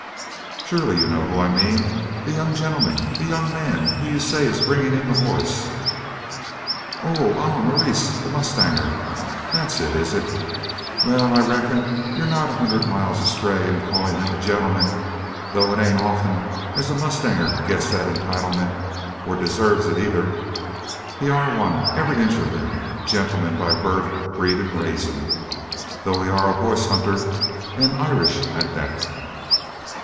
"Surely you know who I mean! The young gentleman the young man who, you say, is bringing in the horses." "Oh! ah! Maurice the mowstanger! That's it, is it? Wal, I reck'n yur not a hundred mile astray in calling him a gen'leman; tho' it ain't offen es a mowstanger gits thet entitlement, or desarves it eyther. He air one, every inch o' him a gen'leman by barth, breed, an raisin' tho' he air a hoss hunter, an Irish at thet."